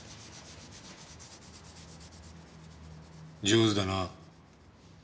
上手だな。